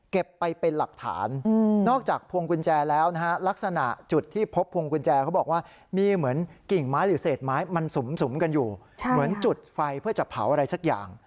ไปเป็นหลักฐานนอกจากพวงกุญแจแล้วนะฮะลักษณะจุดที่พบพวงกุญแจเขาบอกว่ามีเหมือนกิ่งไม้หรือเศษไม้มันสุ่มกันอยู่เหมือนจุดไฟเพื่อจะเผาอะไรสักอย่าง